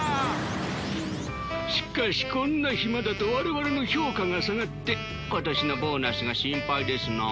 しかしこんな暇だと我々の評価が下がって今年のボーナスが心配ですな。